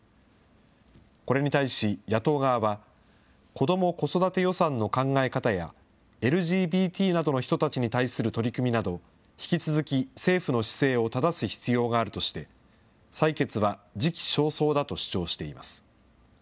これに対し、野党側は、子ども・子育て予算の考え方や、ＬＧＢＴなどの人たちに対する取り組みなど、引き続き政府の姿勢をただす必要があるとして、採決は時期尚早だと主張しています。